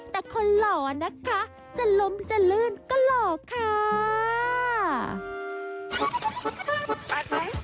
แต่คนหล่อนะคะจะล้มจะลื่นก็หล่อค่ะ